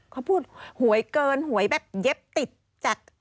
เขาพูดหวยเกินหวยแบบเย็บติดจาก